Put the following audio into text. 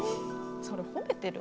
それ褒めてる？